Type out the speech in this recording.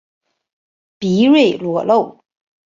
鼻端裸露。